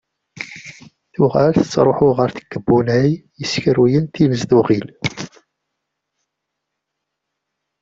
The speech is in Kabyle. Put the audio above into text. Tuɣal tettruḥu ɣer tkebbunay yessekruyen tinezduɣin.